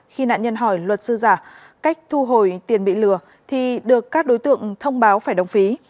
khi nạn nhân hỏi luật sư giả cách thu hồi tiền bị lừa thì được các đối tượng thông báo phải đóng phí